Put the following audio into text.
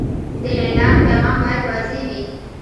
د اعلان پیغام باید واضح وي.